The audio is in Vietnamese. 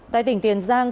tại tỉnh tiền giang